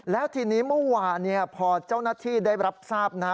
แล้วทีนี้เมื่อวานพอเจ้าหน้าที่ได้รับทราบนะ